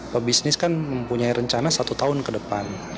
pebisnis kan mempunyai rencana satu tahun ke depan